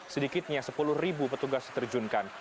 sedikitnya sepuluh petugas diterjunkan